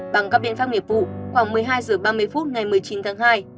bằng các biện pháp nghiệp vụ khoảng một mươi hai h ba mươi phút ngày một mươi chín tháng hai